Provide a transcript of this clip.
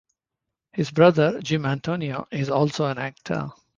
His brother, Jim Antonio, is also an actor.